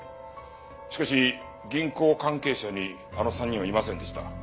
しかし銀行関係者にあの３人はいませんでした。